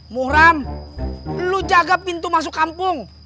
muhram perlu jaga pintu masuk kampung